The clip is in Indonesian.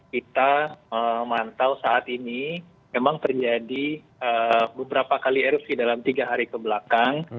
kita memantau saat ini memang terjadi beberapa kali erupsi dalam tiga hari kebelakang